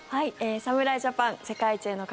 侍ジャパン世界一への鍵